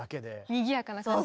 にぎやかな感じに。